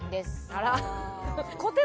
あら。